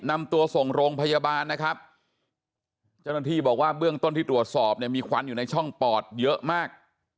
นำตัวส่งโรงพยาบาลนะครับเจ้าหน้าที่บอกว่าเบื้องต้นที่ตรวจสอบเนี่ยมีควันอยู่ในช่องปอดเยอะมาก